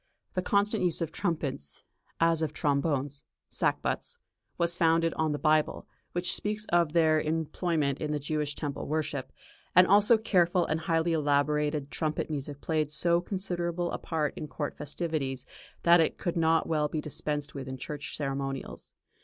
The constant use of trumpets, as of trombones (sackbuts), was founded on the Bible, which speaks of their employment in the Jewish temple worship; and also careful and highly elaborated trumpet music played so considerable a part in court festivities, that it could not well be dispensed with in church ceremonials.